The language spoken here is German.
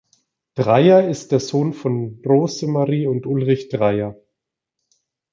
Dreyer ist der Sohn von Rosemarie und Ulrich Dreyer.